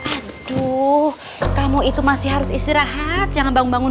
aduh kamu itu masih harus istirahat jangan bangun bangun